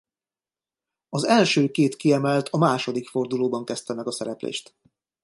Az első két kiemelt a második fordulóban kezdte meg a szereplést.